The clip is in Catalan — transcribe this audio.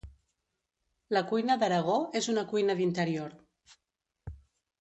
La cuina d'Aragó és una cuina d'interior.